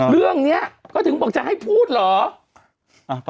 เรื่องนี้ก็ถึงบอกจะให้พูดเหรอ